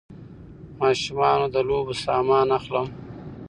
ماشومانو له د لوبو سامان اخلم